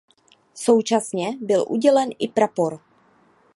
Současně byl udělen i prapor.